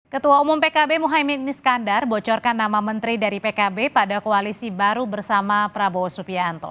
ketua umum pkb muhaymin iskandar bocorkan nama menteri dari pkb pada koalisi baru bersama prabowo subianto